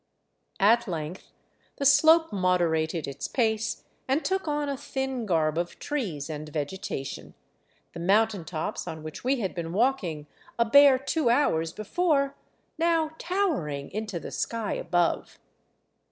At length the slope moderated its pace and took on a thin garb of trees and vegeta tion, the mountain tops on which we had been walking a bare two hours before now towering into the sky above.